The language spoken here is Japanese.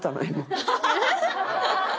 ハハハハ！